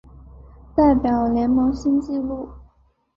代表联盟新纪录